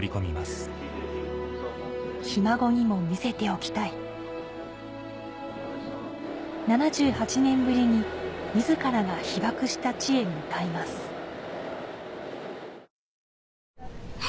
ひ孫にも見せておきたい７８年ぶりに自らが被爆した地へ向かいますあ！